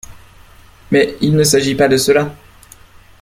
Mais il ne s’agit pas de cela…